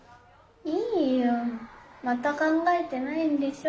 いいよ。またかんがえてないんでしょ。